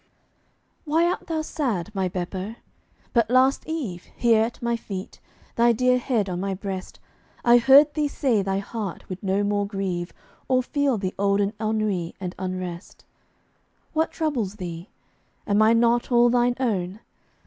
Why art thou sad, my Beppo? But last eve, Here at my feet, thy dear head on my breast, I heard thee say thy heart would no more grieve Or feel the olden ennui and unrest. What troubles thee? Am I not all thine own?